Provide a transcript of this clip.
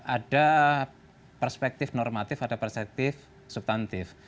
ada perspektif normatif ada perspektif subtantif